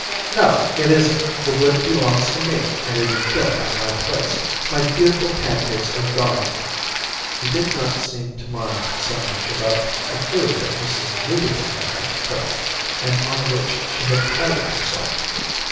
"No, it isn't. The wood belongs to me, and it is built on my place. My beautiful pancakes are gone." He did not seem to mind so much about the food that Mrs. Newbeginner had cooked, and on which she had prided herself.